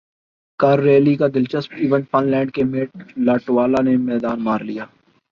کارریلی کا دلچسپ event fun land کے میٹ لاٹوالہ نے میدان مار لیا